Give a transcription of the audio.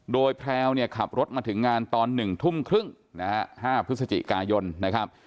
โดยแพรวเนี่ยขับรถมาถึงงานตอน๑ทุ่มครึ่งนะฮะ๕พฤศจิกายนนะครับ